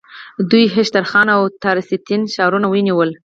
دوی هشترخان او تساریتسین ښارونه ونیول.